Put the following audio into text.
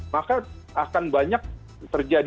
maka akan banyak terjadi